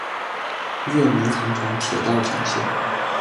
月眉糖厂铁道简介